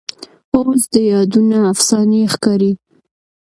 اوس دي یادونه افسانې ښکاري